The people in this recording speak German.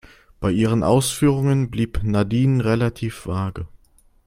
Bei ihren Ausführungen blieb Nadine relativ vage.